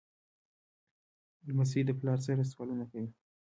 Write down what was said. لمسی د پلار سره سوالونه کوي.